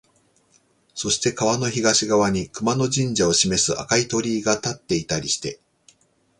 そして川の東側に熊野神社を示す赤い鳥居が立っていたりして、